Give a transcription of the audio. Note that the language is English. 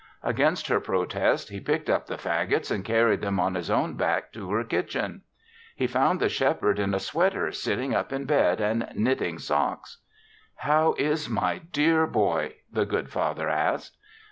Against her protest, he picked up the fagots and carried them on his own back to her kitchen. He found the Shepherd in a sweater sitting up in bed and knitting socks. "How is my dear boy?" the good Father asked.